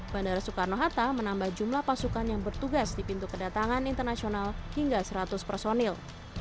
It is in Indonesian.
bandara soekarno hatta menambah jumlah pasukan yang bertugas di pintu kedatangan internasional hingga seratus personil